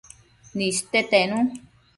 niste tenu